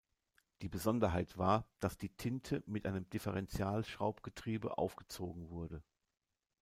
Die Besonderheit war, dass die Tinte mit einem Differential-Schraubgetriebe aufgezogen wurde.